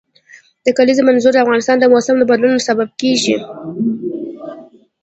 د کلیزو منظره د افغانستان د موسم د بدلون سبب کېږي.